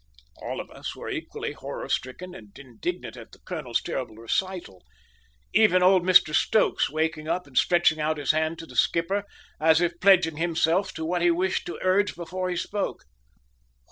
All of us were equally horror stricken and indignant at the colonel's terrible recital, even old Mr Stokes waking up and stretching out his hand to the skipper, as if pledging himself to what he wished to urge before he spoke.